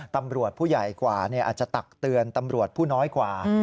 ตำรวจผู้ใหญ่กว่าอาจจะตักเตือนตำรวจผู้น้อยกว่า